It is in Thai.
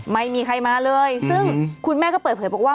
ไม่มีใครมาเลย